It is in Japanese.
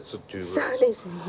そうですね。